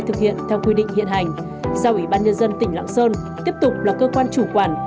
thực hiện theo quy định hiện hành giao ủy ban nhân dân tỉnh lạng sơn tiếp tục là cơ quan chủ quản